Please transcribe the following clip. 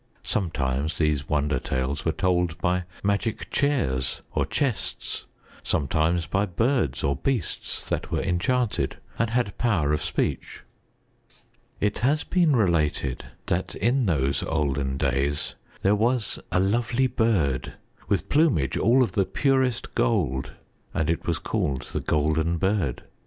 Sometimes these wonder tales were told by magic chairs or chests; sometimes by birds or beasts that were enchanted and had power of speech. It has been related that in those olden days there was a lovely bird with plumage all of the purest gold and it was called The Golden Bird.